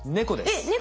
えっ猫？